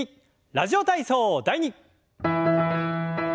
「ラジオ体操第２」。